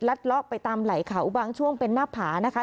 เลาะไปตามไหล่เขาบางช่วงเป็นหน้าผานะคะ